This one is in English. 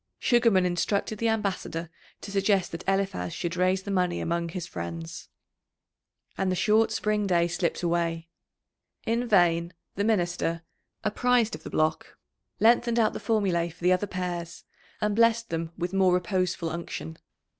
Sugarman instructed the ambassador to suggest that Eliphaz should raise the money among his friends. And the short spring day slipped away. In vain the minister, apprised of the block, lengthened out the formulæ for the other pairs, and blessed them with more reposeful unction.